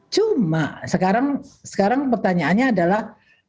cuma sekarang pertanyaannya adalah